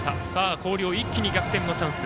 広陵、一気に逆転のチャンス。